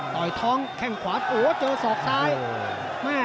ต่อยธองแข้งขวาโหเจอศอกทางทางซ้าย